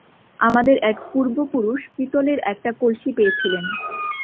আমাদের এক পূর্বপুরুষ পিতলের একটা কলসি পেয়েছিলেন।